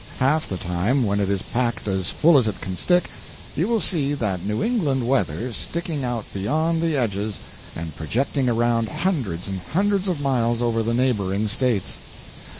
Half the time, when it is packed as full as it can stick, you will see that New England weather sticking out beyond the edges and projecting around hundreds and hundreds of miles over the neighboring states.